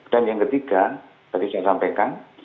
dan yang ketiga tadi saya sampaikan